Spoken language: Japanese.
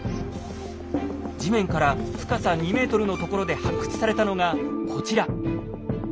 地面から深さ２ｍのところで発掘されたのがこちら。